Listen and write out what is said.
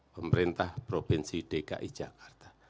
pemerintah provinsi dki jakarta